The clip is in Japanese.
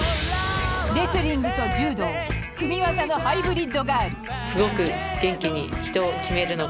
レスリングと柔道組み技のハイブリッドガール。